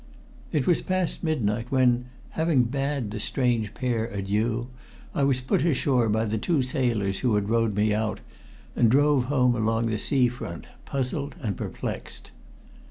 It was past midnight when, having bade the strange pair adieu, I was put ashore by the two sailors who had rowed me out and drove home along the sea front, puzzled and perplexed.